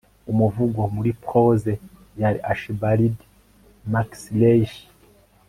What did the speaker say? Umuvugo muri Prose ya Archibald MacLeish